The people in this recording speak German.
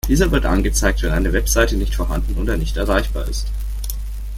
Dieser wird angezeigt, wenn eine Webseite nicht vorhanden oder nicht erreichbar ist.